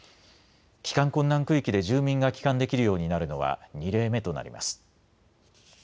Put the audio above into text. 帰還困難区域で住民が帰還できるようになるのは２例目となります。